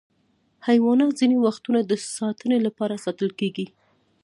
حیوانات ځینې وختونه د ساتنې لپاره ساتل کېږي.